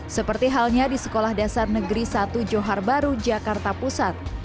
seperti halnya di sekolah dasar negeri satu johar baru jakarta pusat